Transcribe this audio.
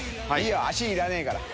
脚いらねえから。